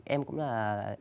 em cũng là